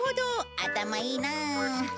頭いいなあ。